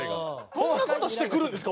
こんな事してくるんですか？